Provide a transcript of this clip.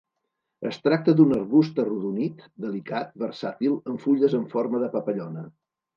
Es tracta d'un arbust arrodonit delicat versàtil amb fulles en forma de papallona.